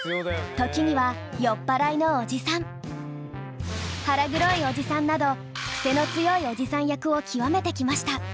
時には「酔っぱらいのおじさん」「腹黒いおじさん」などクセの強いおじさん役を極めてきました。